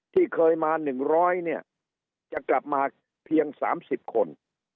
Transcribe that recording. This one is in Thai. ที่เคยมา๑๐๐เนี่ยจะกลับมาเพียง๓๐คน